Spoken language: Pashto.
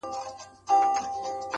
څڼي سرې شونډي تكي تـوري سترگي.